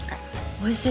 おいしい！